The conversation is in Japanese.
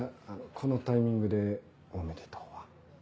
このタイミングでおめでとうは。